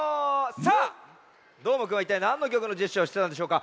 さあどーもくんはいったいなんのきょくのジェスチャーをしてたんでしょうか？